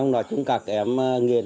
nói chung các em nghiên cứu